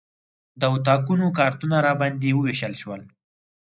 د اتاقونو کارتونه راباندې ووېشل شول.